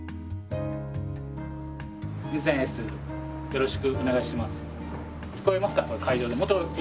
よろしくお願いします。